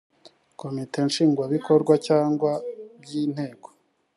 komite nshingwabikorwa cyangwa by inteko